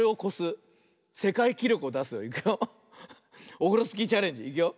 オフロスキーチャレンジいくよ。